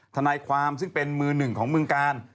ทนายความซึ่งเป็นมือหนึ่งของเมืองกาล